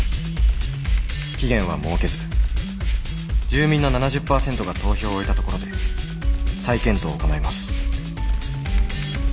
期限は設けず住民の７０％が投票を終えたところで再検討を行います。